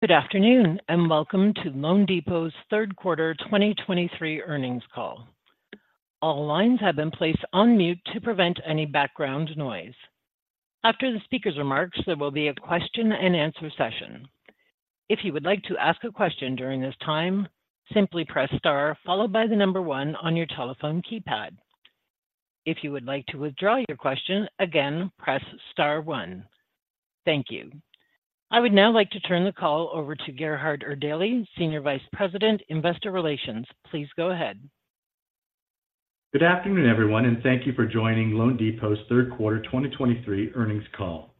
Good afternoon, and welcome to loanDepot's Third Quarter 2023 Earnings Call. All lines have been placed on mute to prevent any background noise. After the speaker's remarks, there will be a question-and-answer session. If you would like to ask a question during this time, simply press star followed by the number one on your telephone keypad. If you would like to withdraw your question, again, press star one. Thank you. I would now like to turn the call over to Gerhard Erdelji, Senior Vice President, Investor Relations. Please go ahead. Good afternoon, everyone, and thank you for joining loanDepot's Third Quarter 2023 Earnings Call.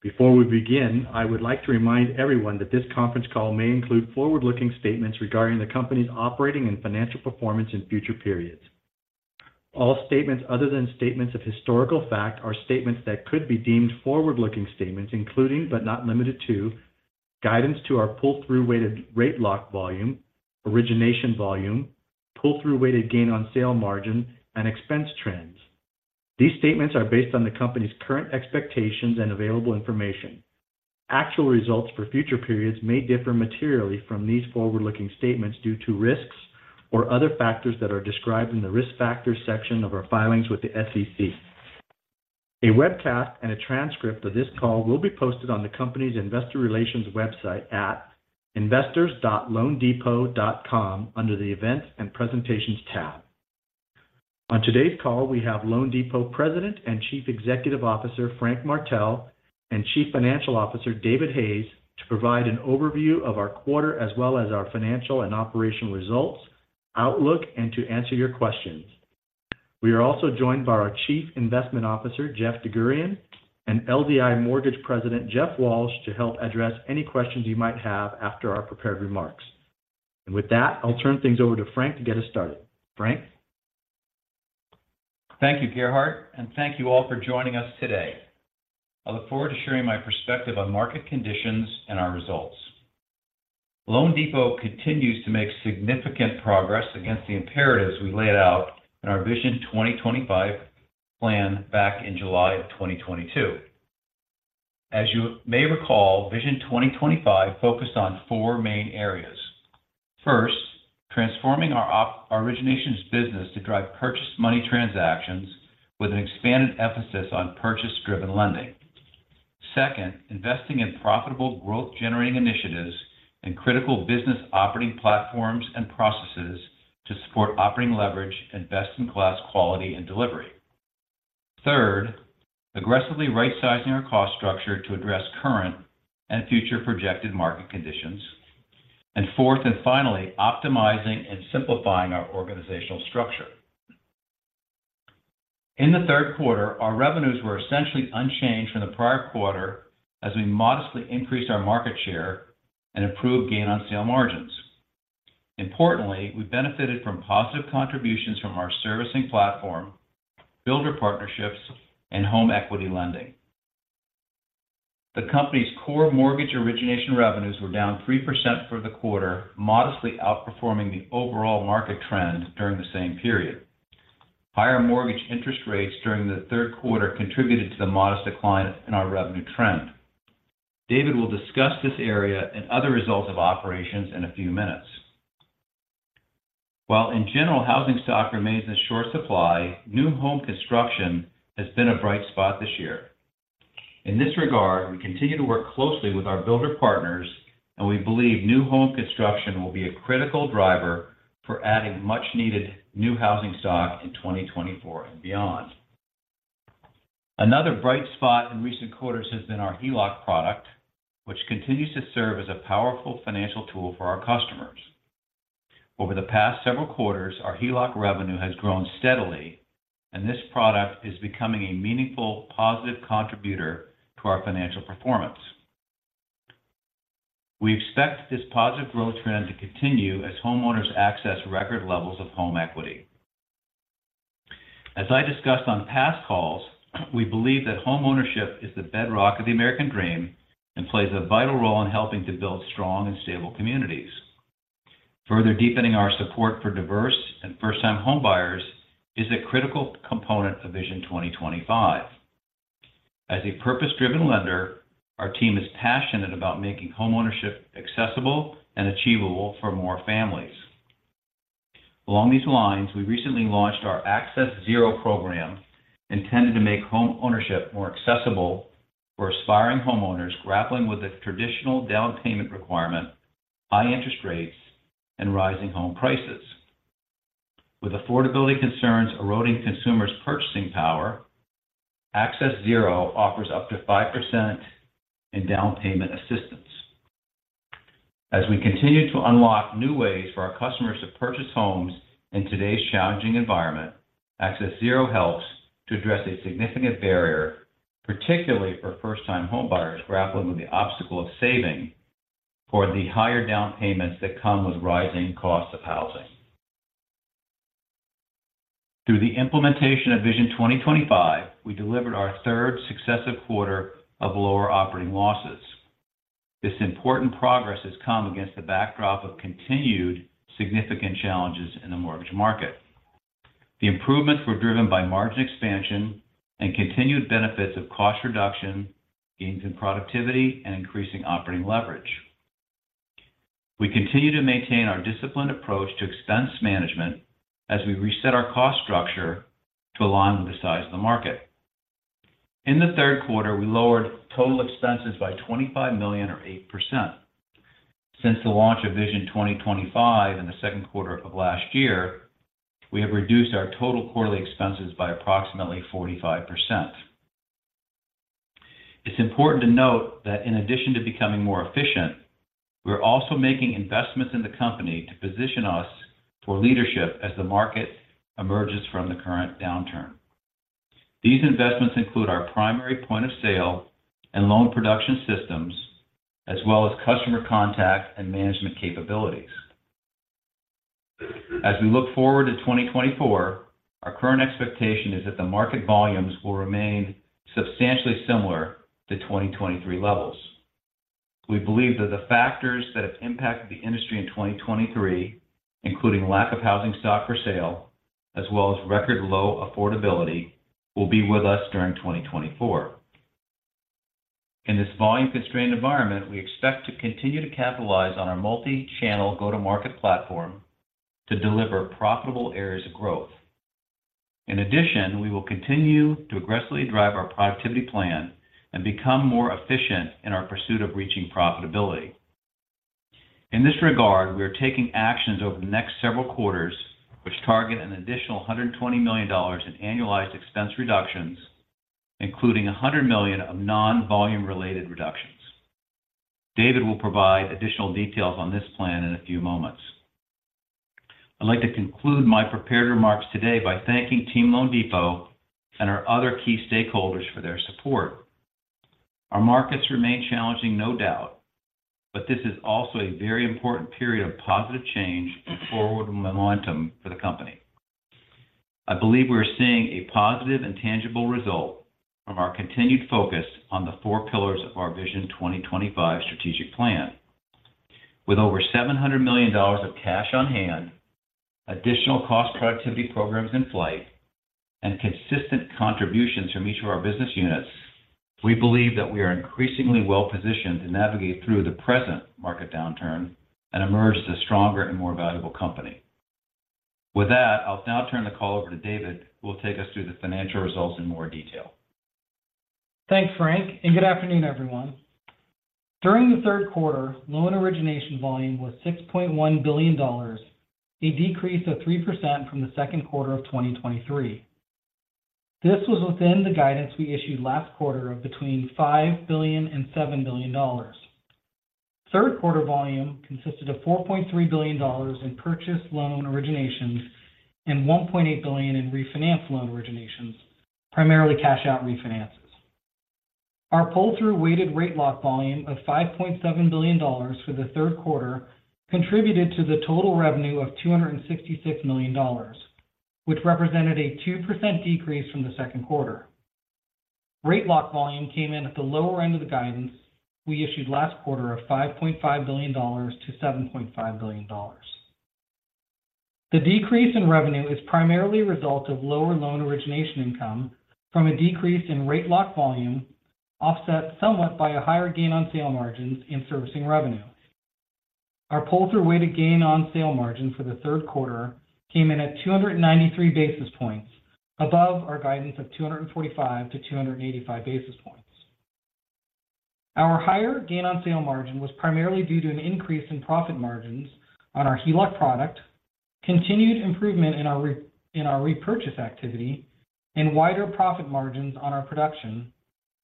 Before we begin, I would like to remind everyone that this conference call may include forward-looking statements regarding the company's operating and financial performance in future periods. All statements other than statements of historical fact are statements that could be deemed forward-looking statements, including, but not limited to, guidance to our pull-through weighted rate lock volume, origination volume, pull-through weighted gain on sale margin, and expense trends. These statements are based on the company's current expectations and available information. Actual results for future periods may differ materially from these forward-looking statements due to risks or other factors that are described in the Risk Factors section of our filings with the SEC. A webcast and a transcript of this call will be posted on the company's investor relations website at investors.loandepot.com under the Events and Presentations tab. On today's call, we have loanDepot President and Chief Executive Officer, Frank Martell, and Chief Financial Officer, David Hayes, to provide an overview of our quarter as well as our financial and operational results, outlook, and to answer your questions. We are also joined by our Chief Investment Officer, Jeff DerGurahian, and LDI Mortgage President, Jeff Walsh, to help address any questions you might have after our prepared remarks. With that, I'll turn things over to Frank to get us started. Frank? Thank you, Gerhard, and thank you all for joining us today. I look forward to sharing my perspective on market conditions and our results. loanDepot continues to make significant progress against the imperatives we laid out in our Vision 2025 plan back in July of 2022. As you may recall, Vision 2025 focused on four main areas. First, transforming our our originations business to drive purchase money transactions with an expanded emphasis on purchase-driven lending. Second, investing in profitable growth-generating initiatives and critical business operating platforms and processes to support operating leverage and best-in-class quality and delivery. Third, aggressively rightsizing our cost structure to address current and future projected market conditions. And fourth and finally, optimizing and simplifying our organizational structure. In the third quarter, our revenues were essentially unchanged from the prior quarter as we modestly increased our market share and improved gain on sale margins. Importantly, we benefited from positive contributions from our servicing platform, builder partnerships, and home equity lending. The company's core mortgage origination revenues were down 3% for the quarter, modestly outperforming the overall market trend during the same period. Higher mortgage interest rates during the third quarter contributed to the modest decline in our revenue trend. David will discuss this area and other results of operations in a few minutes. While in general, housing stock remains in short supply, new home construction has been a bright spot this year. In this regard, we continue to work closely with our builder partners, and we believe new home construction will be a critical driver for adding much needed new housing stock in 2024 and beyond. Another bright spot in recent quarters has been our HELOC product, which continues to serve as a powerful financial tool for our customers. Over the past several quarters, our HELOC revenue has grown steadily, and this product is becoming a meaningful positive contributor to our financial performance. We expect this positive growth trend to continue as homeowners access record levels of home equity. As I discussed on past calls, we believe that homeownership is the bedrock of the American dream and plays a vital role in helping to build strong and stable communities. Further deepening our support for diverse and first-time homebuyers is a critical component of Vision 2025. As a purpose-driven lender, our team is passionate about making homeownership accessible and achievable for more families. Along these lines, we recently launched our accessZERO program, intended to make homeownership more accessible for aspiring homeowners grappling with a traditional down payment requirement, high interest rates, and rising home prices. With affordability concerns eroding consumers' purchasing power, accessZERO offers up to 5% in down payment assistance. As we continue to unlock new ways for our customers to purchase homes in today's challenging environment, accessZERO helps to address a significant barrier, particularly for first-time homebuyers grappling with the obstacle of saving for the higher down payments that come with rising costs of housing. Through the implementation of Vision 2025, we delivered our third successive quarter of lower operating losses. This important progress has come against the backdrop of continued significant challenges in the mortgage market.... The improvements were driven by margin expansion and continued benefits of cost reduction, gains in productivity, and increasing operating leverage. We continue to maintain our disciplined approach to expense management as we reset our cost structure to align with the size of the market. In the third quarter, we lowered total expenses by $25 million or 8%. Since the launch of Vision 2025 in the second quarter of last year, we have reduced our total quarterly expenses by approximately 45%. It's important to note that in addition to becoming more efficient, we're also making investments in the company to position us for leadership as the market emerges from the current downturn. These investments include our primary point of sale and loan production systems, as well as customer contact and management capabilities. As we look forward to 2024, our current expectation is that the market volumes will remain substantially similar to 2023 levels. We believe that the factors that have impacted the industry in 2023, including lack of housing stock for sale, as well as record low affordability, will be with us during 2024. In this volume-constrained environment, we expect to continue to capitalize on our multi-channel go-to-market platform to deliver profitable areas of growth. In addition, we will continue to aggressively drive our productivity plan and become more efficient in our pursuit of reaching profitability. In this regard, we are taking actions over the next several quarters, which target an additional $120 million in annualized expense reductions, including $100 million of non-volume related reductions. David will provide additional details on this plan in a few moments. I'd like to conclude my prepared remarks today by thanking Team loanDepot and our other key stakeholders for their support. Our markets remain challenging, no doubt, but this is also a very important period of positive change and forward momentum for the company. I believe we are seeing a positive and tangible result from our continued focus on the four pillars of our Vision 2025 strategic plan. With over $700 million of cash on hand, additional cost productivity programs in flight, and consistent contributions from each of our business units, we believe that we are increasingly well positioned to navigate through the present market downturn and emerge as a stronger and more valuable company. With that, I'll now turn the call over to David, who will take us through the financial results in more detail. Thanks, Frank, and good afternoon, everyone. During the third quarter, loan origination volume was $6.1 billion, a decrease of 3% from the second quarter of 2023. This was within the guidance we issued last quarter of between $5 billion and $7 billion. Third quarter volume consisted of $4.3 billion in purchase loan originations and $1.8 billion in refinance loan originations, primarily cash-out refinances. Our pull-through weighted rate lock volume of $5.7 billion for the third quarter contributed to the total revenue of $266 million, which represented a 2% decrease from the second quarter. Rate lock volume came in at the lower end of the guidance we issued last quarter of $5.5 billion-$7.5 billion. The decrease in revenue is primarily a result of lower loan origination income from a decrease in rate lock volume, offset somewhat by a higher gain on sale margins in servicing revenue. Our pull-through weighted gain on sale margin for the third quarter came in at 293 basis points, above our guidance of 245-285 basis points. Our higher gain on sale margin was primarily due to an increase in profit margins on our HELOC product, continued improvement in our repurchase activity, and wider profit margins on our production,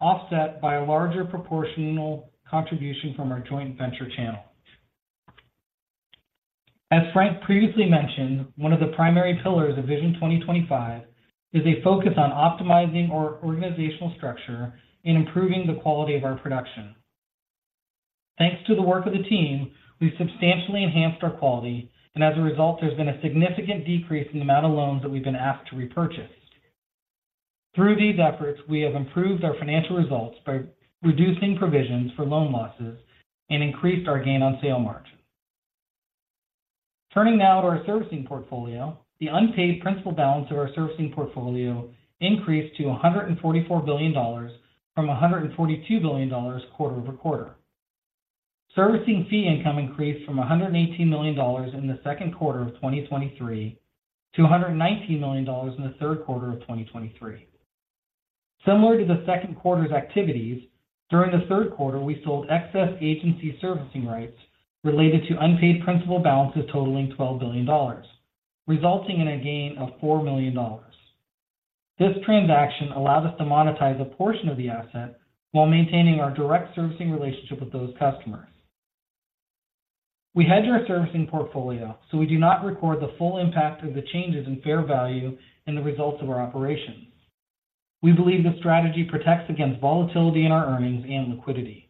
offset by a larger proportional contribution from our joint venture channel. As Frank previously mentioned, one of the primary pillars of Vision 2025 is a focus on optimizing our organizational structure and improving the quality of our production. Thanks to the work of the team, we've substantially enhanced our quality, and as a result, there's been a significant decrease in the amount of loans that we've been asked to repurchase. Through these efforts, we have improved our financial results by reducing provisions for loan losses and increased our gain on sale margin. Turning now to our servicing portfolio. The unpaid principal balance of our servicing portfolio increased to $144 billion from $142 billion quarter-over-quarter. Servicing fee income increased from $118 million in the second quarter of 2023 to $119 million in the third quarter of 2023. Similar to the second quarter's activities, during the third quarter, we sold excess agency servicing rights related to unpaid principal balances totaling $12 billion, resulting in a gain of $4 million. This transaction allowed us to monetize a portion of the asset while maintaining our direct servicing relationship with those customers. We hedge our servicing portfolio, so we do not record the full impact of the changes in fair value in the results of our operations. We believe this strategy protects against volatility in our earnings and liquidity.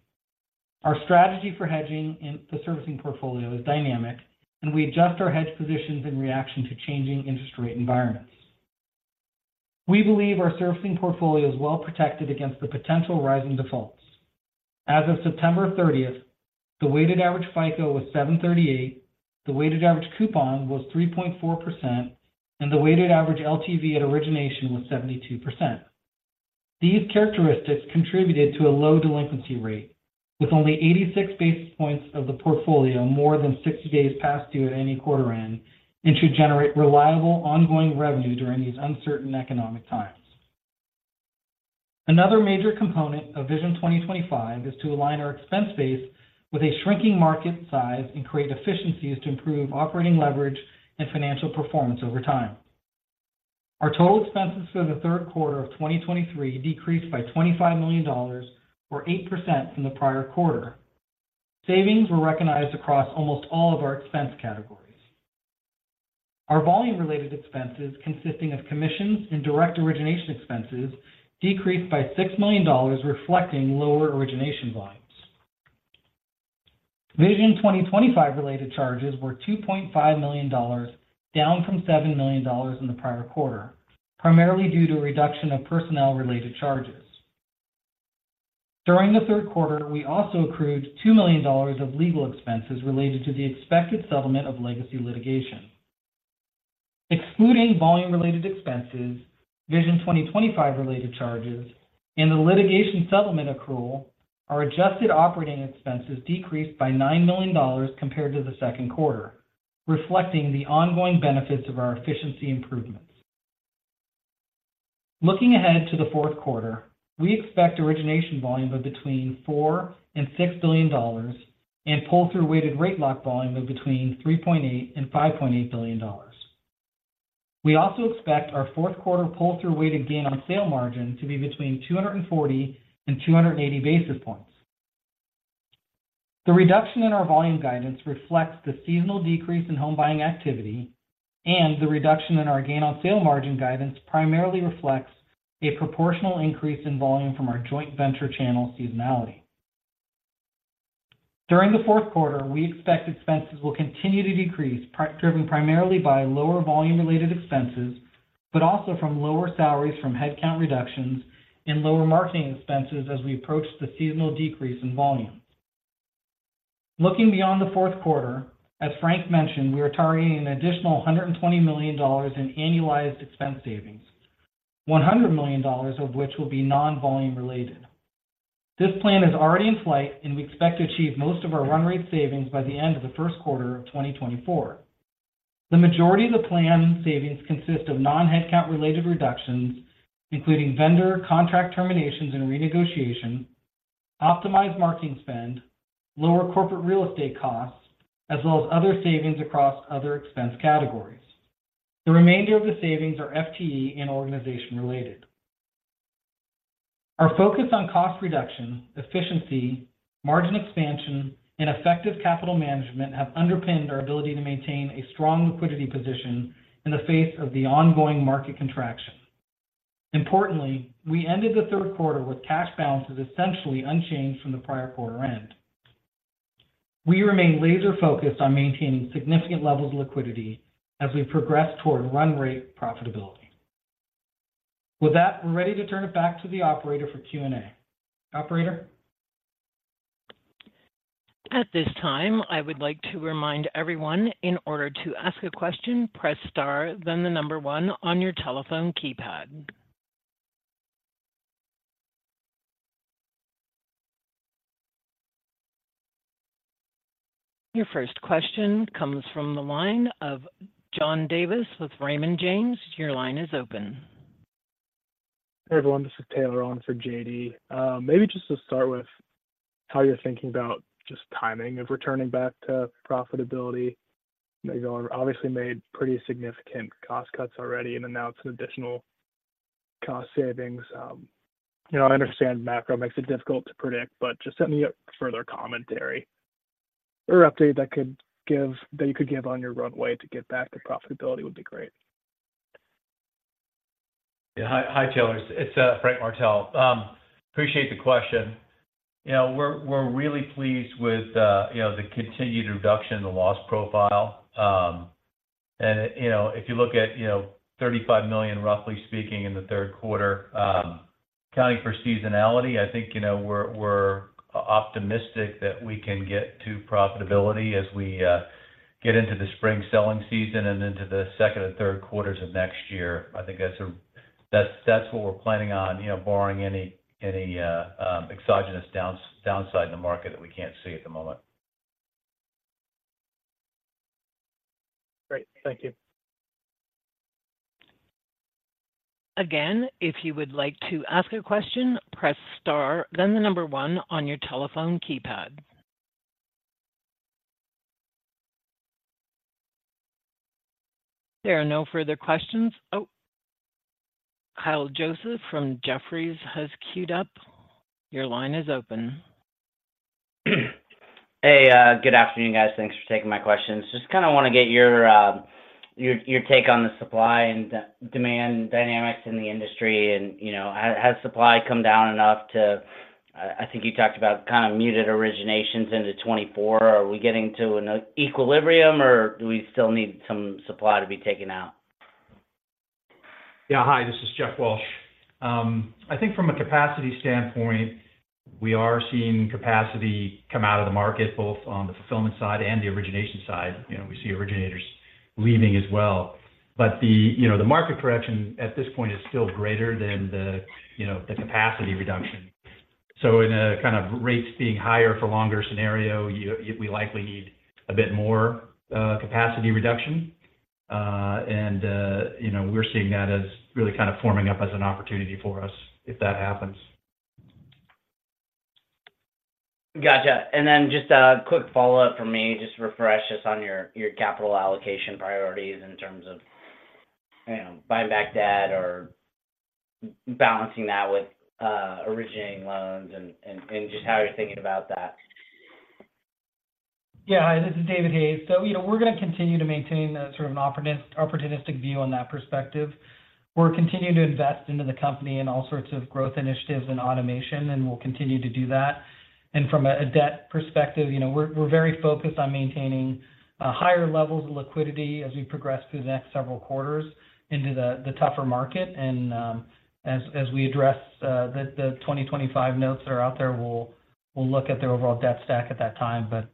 Our strategy for hedging in the servicing portfolio is dynamic, and we adjust our hedge positions in reaction to changing interest rate environments. We believe our servicing portfolio is well protected against the potential rising defaults. As of September 30th, the weighted average FICO was 738, the weighted average coupon was 3.4%, and the weighted average LTV at origination was 72%. These characteristics contributed to a low delinquency rate, with only 86 basis points of the portfolio more than 60 days past due at any quarter end, and should generate reliable, ongoing revenue during these uncertain economic times. Another major component of Vision 2025 is to align our expense base with a shrinking market size and create efficiencies to improve operating leverage and financial performance over time. Our total expenses for the third quarter of 2023 decreased by $25 million, or 8% from the prior quarter. Savings were recognized across almost all of our expense categories. Our volume-related expenses, consisting of commissions and direct origination expenses, decreased by $6 million, reflecting lower origination volumes. Vision 2025 related charges were $2.5 million, down from $7 million in the prior quarter, primarily due to a reduction of personnel-related charges. During the third quarter, we also accrued $2 million of legal expenses related to the expected settlement of legacy litigation. Excluding volume-related expenses, Vision 2025 related charges, and the litigation settlement accrual, our adjusted operating expenses decreased by $9 million compared to the second quarter, reflecting the ongoing benefits of our efficiency improvements. Looking ahead to the fourth quarter, we expect origination volume of between $4 billion and $6 billion, and pull-through weighted rate lock volume of between $3.8 billion and $5.8 billion. We also expect our fourth quarter pull-through weighted gain on sale margin to be between 240 and 280 basis points. The reduction in our volume guidance reflects the seasonal decrease in home buying activity, and the reduction in our gain on sale margin guidance primarily reflects a proportional increase in volume from our joint venture channel seasonality. During the fourth quarter, we expect expenses will continue to decrease, driven primarily by lower volume-related expenses, but also from lower salaries from headcount reductions and lower marketing expenses as we approach the seasonal decrease in volumes. Looking beyond the fourth quarter, as Frank mentioned, we are targeting an additional $120 million in annualized expense savings, $100 million of which will be non-volume related. This plan is already in flight, and we expect to achieve most of our run rate savings by the end of the first quarter of 2024. The majority of the planned savings consist of non-headcount related reductions, including vendor contract terminations and renegotiation, optimized marketing spend, lower corporate real estate costs, as well as other savings across other expense categories. The remainder of the savings are FTE and organization related. Our focus on cost reduction, efficiency, margin expansion, and effective capital management have underpinned our ability to maintain a strong liquidity position in the face of the ongoing market contraction. Importantly, we ended the third quarter with cash balances essentially unchanged from the prior quarter end. We remain laser focused on maintaining significant levels of liquidity as we progress toward run rate profitability. With that, we're ready to turn it back to the operator for Q&A. Operator? At this time, I would like to remind everyone, in order to ask a question, press star, then the number one on your telephone keypad. Your first question comes from the line of John Davis with Raymond James. Your line is open. Hey, everyone, this is Taylor on for JD. Maybe just to start with how you're thinking about just timing of returning back to profitability. You know, obviously made pretty significant cost cuts already and announced an additional cost savings. You know, I understand macro makes it difficult to predict, but just send me a further commentary or update that you could give on your runway to get back to profitability would be great. Yeah. Hi, hi, Taylor. It's Frank Martell. Appreciate the question. You know, we're, we're really pleased with you know, the continued reduction in the loss profile. And you know, if you look at you know, $35 million, roughly speaking, in the third quarter, counting for seasonality, I think you know, we're, we're optimistic that we can get to profitability as we get into the spring selling season and into the second and third quarters of next year. I think that's - that's what we're planning on you know, barring any exogenous downside in the market that we can't see at the moment. Great. Thank you. Again, if you would like to ask a question, press star, then the number one on your telephone keypad. There are no further questions. Oh, Kyle Joseph from Jefferies has queued up. Your line is open. Hey, good afternoon, guys. Thanks for taking my questions. Just kind of want to get your take on the supply and demand dynamics in the industry. You know, has supply come down enough to... I think you talked about kind of muted originations into 2024. Are we getting to an equilibrium, or do we still need some supply to be taken out? Yeah. Hi, this is Jeff Walsh. I think from a capacity standpoint, we are seeing capacity come out of the market, both on the fulfillment side and the origination side. You know, we see originators leaving as well. But the, you know, the market correction at this point is still greater than the, you know, the capacity reduction. So in a kind of rates being higher for longer scenario, we likely need a bit more capacity reduction. And you know, we're seeing that as really kind of forming up as an opportunity for us, if that happens. Gotcha. And then just a quick follow-up from me, just to refresh just on your capital allocation priorities in terms of, you know, buying back debt or balancing that with originating loans and just how you're thinking about that. Yeah. This is David Hayes. So, you know, we're going to continue to maintain a sort of an opportunistic view on that perspective. We're continuing to invest into the company and all sorts of growth initiatives and automation, and we'll continue to do that. And from a debt perspective, you know, we're very focused on maintaining higher levels of liquidity as we progress through the next several quarters into the tougher market. And as we address the 2025 notes that are out there, we'll look at the overall debt stack at that time. But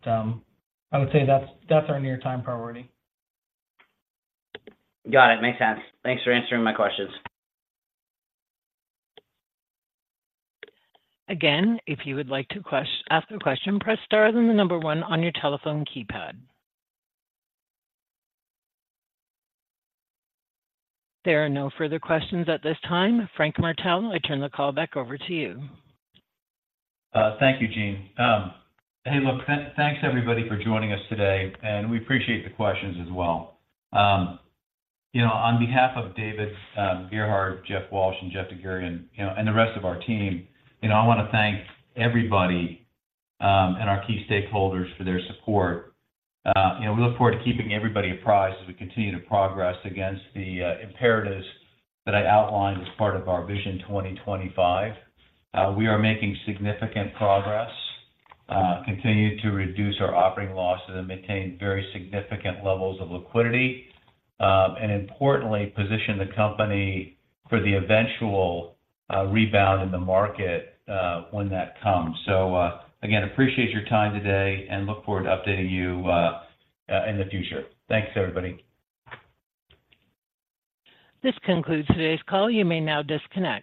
I would say that's our near-time priority. Got it. Makes sense. Thanks for answering my questions. Again, if you would like to ask a question, press star, then the number one on your telephone keypad. There are no further questions at this time. Frank Martell, I turn the call back over to you. Thank you, Jean. Thanks, everybody, for joining us today, and we appreciate the questions as well. You know, on behalf of David, Gerhard, Jeff Walsh, and Jeff DerGurahian, you know, and the rest of our team, you know, I want to thank everybody, and our key stakeholders for their support. You know, we look forward to keeping everybody apprised as we continue to progress against the imperatives that I outlined as part of our Vision 2025. We are making significant progress, continue to reduce our operating losses and maintain very significant levels of liquidity, and importantly, position the company for the eventual rebound in the market, when that comes. So, again, appreciate your time today, and look forward to updating you in the future. Thanks, everybody. This concludes today's call. You may now disconnect.